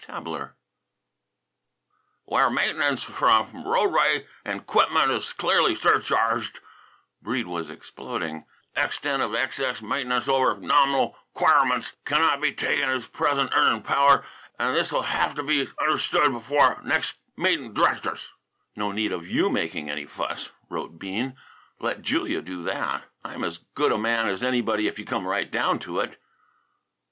X "Where maint'nance f'r both roadway an' 'quipment is clearly surcharged," Breede was exploding, "extent of excess of maintenance over normal 'quirements cannot be taken as present earnin' power, an' this'll haf t' be understood before nex' meetin' d'r'ectors " "No need of you making any fuss," wrote Bean. "Let Julia do that. I'm as good a man as anybody if you come right down to it."